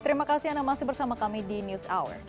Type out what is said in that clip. terima kasih anda masih bersama kami di news hour